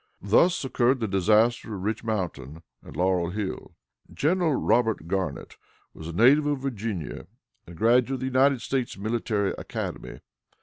Thus occurred the disaster of Rich Mountain and Laurel Hill. General Robert Garnett was a native of Virginia, and a graduate of the United States Military Academy.